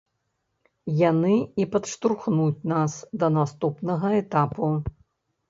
Яны і падштурхнуць нас да наступнага этапу.